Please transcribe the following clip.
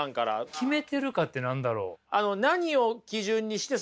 決めてるかって何だろう？